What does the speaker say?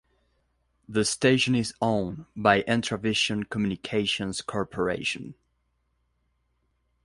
The station is owned by Entravision Communications Corporation.